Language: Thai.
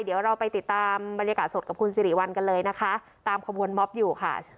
เดี๋ยวเราไปติดตามบรรยากาศสดกับคุณสิริวัลกันเลยนะคะตามขบวนมอบอยู่ค่ะ